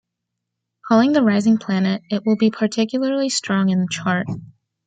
Called the "rising planet" it will be particularly strong in the chart.